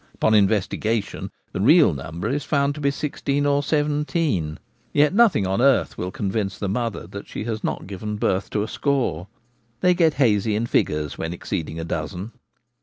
Upon investigation the real number is found to be sixteen or seventeen, yet nothing on earth will convince the mother that she has not given birth to a score. They get hazy in figures when exceeding a dozen.